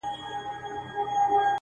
بې منزله مساپره خیر دي نسته په بېړۍ کي!